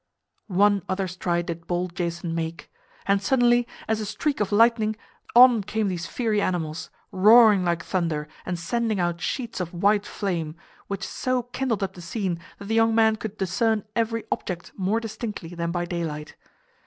One other stride did bold Jason make; and suddenly, as a streak of lightning, on came these fiery animals, roaring like thunder and sending out sheets of white flame, which so kindled up the scene that the young man could discern every object more distinctly than by daylight.